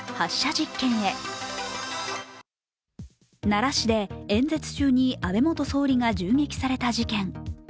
奈良市で演説中に安倍元総理が銃撃された事件。